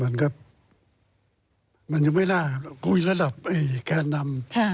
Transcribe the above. มันก็มันยังไม่น่าคุยระดับแกนนำ